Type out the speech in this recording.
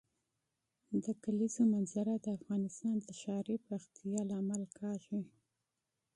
د کلیزو منظره د افغانستان د ښاري پراختیا سبب کېږي.